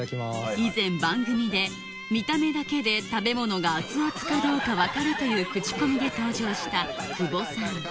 以前番組で見た目だけで食べ物が熱々かどうか分かるというクチコミで登場した久保さん